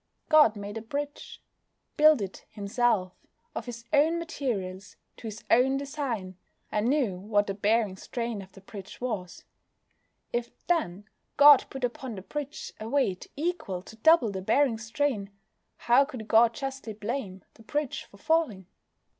God made a bridge built it Himself, of His own materials, to His own design, and knew what the bearing strain of the bridge was. If, then, God put upon the bridge a weight equal to double the bearing strain, how could God justly blame the bridge for falling?